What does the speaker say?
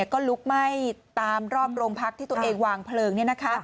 ก็ลุกไหม้ตามรอบโรงพักที่ตัวเองวางเพลิง